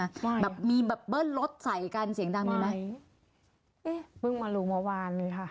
ใช่แบบมีแบบเบิ้ลรถใส่กันเสียงดังมีไหมเอ๊ะเพิ่งมารู้เมื่อวานเลยค่ะ